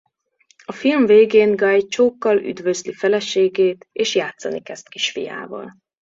A film végén Guy csókkal üdvözli feleségét és játszani kezd kisfiával.